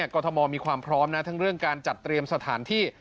กรทมมีความพร้อมนะทั้งเรื่องการจัดเตรียมสถานที่